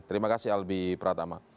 terima kasih albi pratama